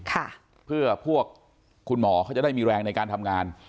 ค่ะเพื่อพวกคุณหมอเขาจะได้มีแรงในการทำงาน